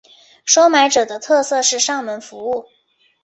收买者的特色是上门服务。